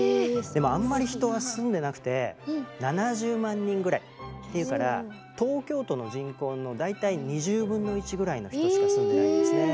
でもあんまり人は住んでなくて７０万人ぐらいっていうから東京都の人口の大体２０分の１ぐらいの人しか住んでないんですね。